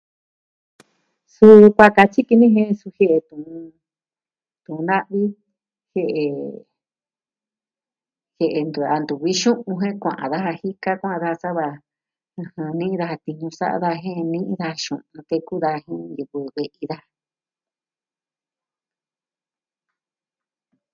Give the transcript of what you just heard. Suu kuaa katyi kɨ'ɨn ni jen suu jie'e tu'un... tu'un na'vi. Jie'e, jie'e tu a ntu vi xu'un je kua'an daja. Jika kua'an daa sava, ɨjɨn... ni'i daja tiñu sa'a jen ni'i ka xu'un. Teku daa jin yɨkɨ ve'i daa.